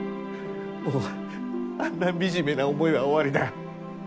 もうあんな惨めな思いは終わりだ。